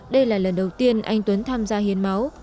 đây là lần đầu tiên anh tuấn tham gia hiến máu